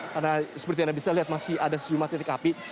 karena seperti anda bisa lihat masih ada sejumlah titik api